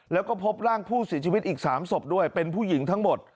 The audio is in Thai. แล้วก็พบร่างผู้เสียชีวิตอีก๓ศพด้วยเป็นผู้หญิงทั้งหมด